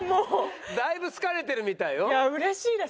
だいぶ好かれてるみたいよ。